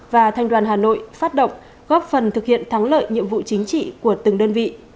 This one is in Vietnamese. và thành đoàn hà nội phát động góp phần thực hiện thắng lợi nhiệm vụ chính trị của từng đơn vị